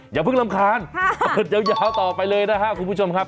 อย่าเพิ่งรำคาญยาวต่อไปเลยนะครับคุณผู้ชมครับ